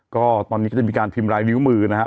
ก็ตอนนี้ก็จะมีการพิมพ์ลายนิ้วมือนะครับ